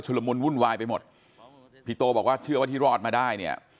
ละมุนวุ่นวายไปหมดพี่โตบอกว่าเชื่อว่าที่รอดมาได้เนี่ย